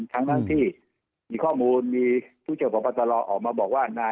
ทั้งด้านที่มีข้อมูลมีผู้เจอกับประสาทรอบออกมาบอกว่า